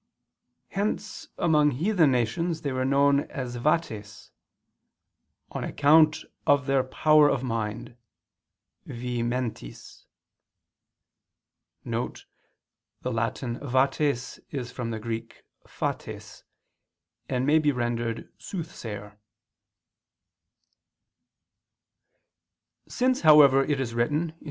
Hence among heathen nations they were known as vates, "on account of their power of mind (vi mentis)," [*The Latin vates is from the Greek phates, and may be rendered "soothsayer"] (ibid. viii, 7). Since, however, it is written (1 Cor.